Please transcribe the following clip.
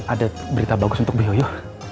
ada berita bagus untuk bu yoyo